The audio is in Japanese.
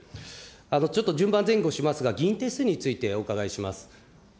ちょっと順番前後しますが、議員定数についてお伺いします。